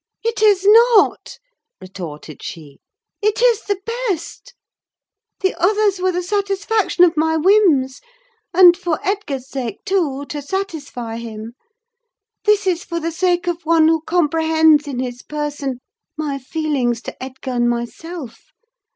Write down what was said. "It is not," retorted she; "it is the best! The others were the satisfaction of my whims: and for Edgar's sake, too, to satisfy him. This is for the sake of one who comprehends in his person my feelings to Edgar and myself.